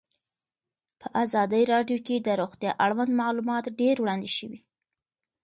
په ازادي راډیو کې د روغتیا اړوند معلومات ډېر وړاندې شوي.